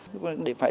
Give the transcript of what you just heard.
để phải đi tìm kiếm